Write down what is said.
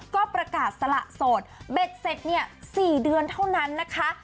ก็ประกาศสละโสดเบ็ดเสร็จเนี่ย๔เดือนเท่านั้นนะคะ